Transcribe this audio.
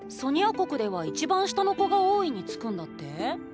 国では一番下の子が王位につくんだって？らしいな。